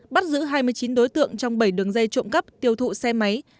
bắt giữ hai mươi chín đối tượng trong bảy đường dây trộm cắp tiêu thụ xe máy